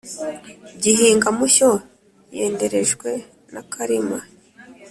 gihinga mushyo yenderejwe nakarima.